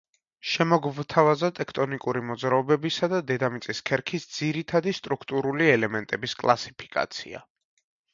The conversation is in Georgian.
შემოგვთავაზა ტექტონიკური მოძრაობებისა და დედამიწის ქერქის ძირითადი სტრუქტურული ელემენტების კლასიფიკაცია.